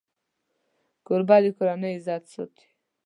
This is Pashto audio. کوربه د کورنۍ عزت ساتي.